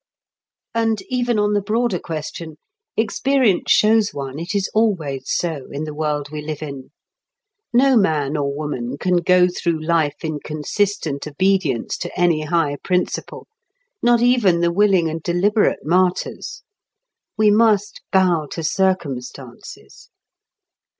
And even on the broader question, experience shows one it is always so in the world we live in. No man or woman can go through life in consistent obedience to any high principle—not even the willing and deliberate martyrs. We must bow to circumstances.